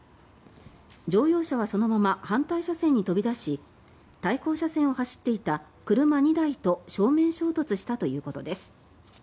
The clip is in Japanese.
乗用車はそのまま反対車線に飛び出し対向車線を走っていた車２台と正面衝突したということです。